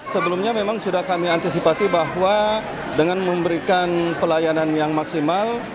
sebelumnya memang sudah kami antisipasi bahwa dengan memberikan pelayanan yang maksimal